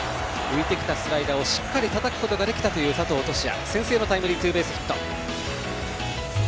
浮いてきたスライダーをしっかりたたくことができたという佐藤都志也の先制のタイムリーヒット。